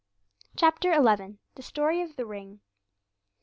CHAPTER XI. THE STORY OF THE RING.